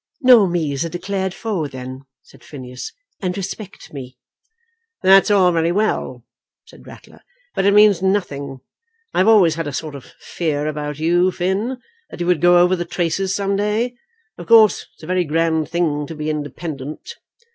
"Know me as a declared foe then," said Phineas, "and respect me." "That's all very well," said Ratler, "but it means nothing. I've always had a sort of fear about you, Finn, that you would go over the traces some day. Of course it's a very grand thing to be independent."